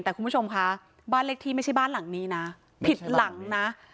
แต่คุณผู้ชมคะบ้านเลขที่ไม่ใช่บ้านหลังนี้นะผิดหลังนะ